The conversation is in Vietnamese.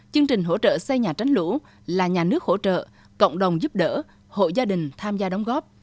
chương trình hỗ trợ xây nhà tránh lũ là nhà nước hỗ trợ cộng đồng giúp đỡ hộ gia đình tham gia đóng góp